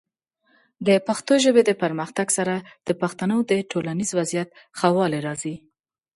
د پښتو ژبې د پرمختګ سره، د پښتنو د ټولنیز وضعیت ښه والی راځي.